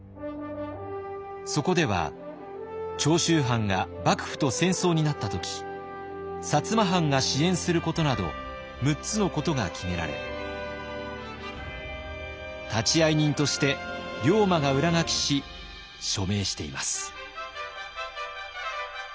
そこでは長州藩が幕府と戦争になった時摩藩が支援することなど６つのことが決められ立ち会い人として龍馬が裏書きし署名しています。